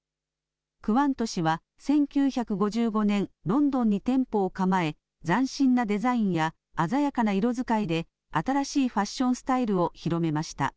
クワント氏は１９５５年ロンドンに店舗を構え斬新なデザインや鮮やかな色使いで新しいファッションスタイルを広めました。